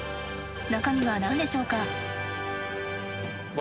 中身は何でしょうか？